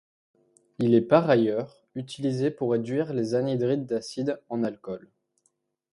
Il est par ailleurs utilisé pour réduire les anhydrides d'acide en alcools.